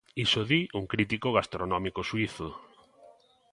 Iso di un crítico gastronómico suízo.